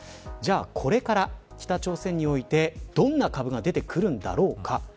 これから北朝鮮においてどんな株が出てくるんだろうか。